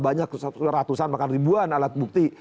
banyak ratusan bahkan ribuan alat bukti